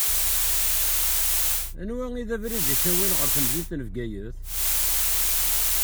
Anwa i d abrid ittawin ɣer temdint n Bgayet?